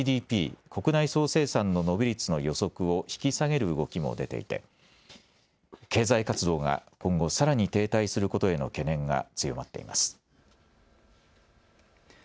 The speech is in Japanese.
専門家の中には今月から３か月間の中国のＧＤＰ・国内総生産の伸び率の予測を引き下げる動きも出ていて経済活動が今後、さらに停滞することへの懸念が強まっています。